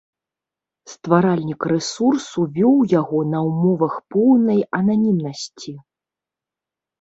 Стваральнік рэсурсу вёў яго на ўмовах поўнай ананімнасці.